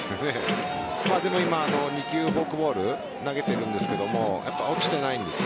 でも今、２球フォークボール投げているんですが落ちていないんです。